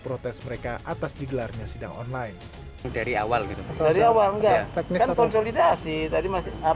protes mereka atas digelarnya sidang online dari awal dari awal konsolidasi tadi masih